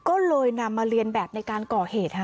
ก็เลยนำมาเรียนแบบในการก่อเหตุค่ะ